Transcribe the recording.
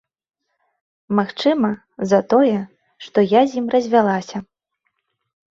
Магчыма, за тое, што я з ім развялася.